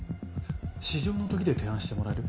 「至上の時」で提案してもらえる？